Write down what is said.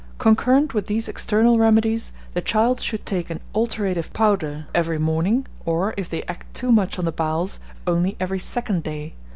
Concurrent with these external remedies, the child should take an alterative powder every morning, or, if they act too much on the bowels, only every second day.